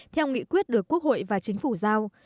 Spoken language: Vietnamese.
theo nghị quyết được quốc hội và chính phủ giao